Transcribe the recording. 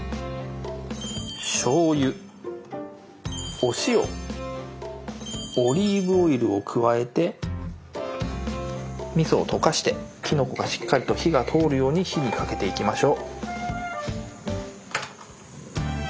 お塩オリーブオイルを加えてみそを溶かしてきのこがしっかりと火が通るように火にかけていきましょう。